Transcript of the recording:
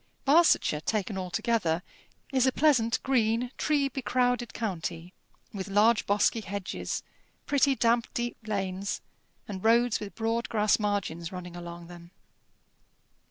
Barsetshire, taken altogether, is a pleasant green tree becrowded county, with large bosky hedges, pretty damp deep lanes, and roads with broad grass margins running along them.